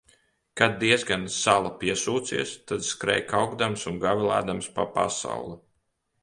Kad diezgan sala piesūcies, tad skrej kaukdams un gavilēdams pa pasauli.